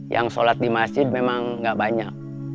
yang sholat di masjid memang gak banyak